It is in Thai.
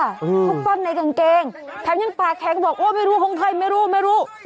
คุ้นปั้นในกางเกงแทงนี่ปาร์แคงบอกโอ้ยไม่รู้ไม่รู้ไม่รู้